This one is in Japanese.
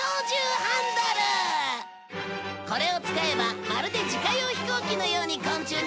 これを使えばまるで自家用飛行機のように昆虫に乗れちゃうよ